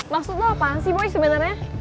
maksud lo apa sih boy sebenernya